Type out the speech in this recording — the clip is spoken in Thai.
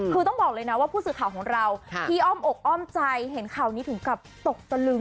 คือต้องบอกเลยนะว่าผู้สื่อข่าวของเราที่อ้อมอกอ้อมใจเห็นข่าวนี้ถึงกับตกตะลึง